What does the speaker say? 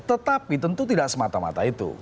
tetapi tentu tidak semata mata itu